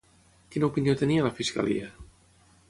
Quina opinió tenia la fiscalia?